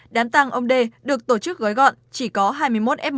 đám tăng ông đê được tổ chức gói gọn chỉ có hai mươi một f một